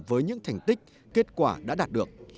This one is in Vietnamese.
với những thành tích kết quả đã đạt được